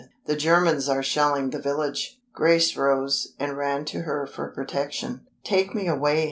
"The Germans are shelling the village." Grace rose, and ran to her for protection. "Take me away!"